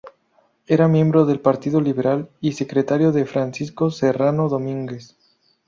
Era miembro del Partido Liberal y secretario de Francisco Serrano Domínguez.